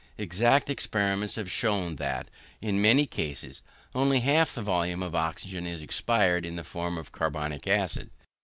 Exact experiments have shown, that in many cases only half the volume of oxygen is expired in the form of carbonic acid.